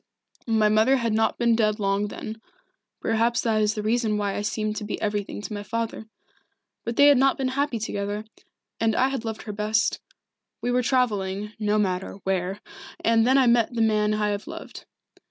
My mother had not been dead long then perhaps that is the reason why I seemed to be everything to my father. But they had not been happy together, and I had loved her best. We were travelling no matter where and then I met the man I have loved.